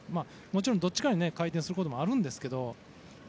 もちろん、どっちかに回転することもあるんですけど。